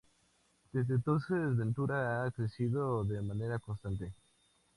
Desde entonces, Ventura ha crecido de manera constante.